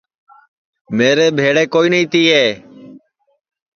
میرے ٻھیݪے کوئی نائی تیئے